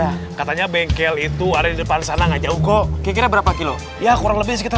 ini katanya bengkel itu ada di depan sana ngajak ukur kira berapa kilo ya kurang lebih sekitar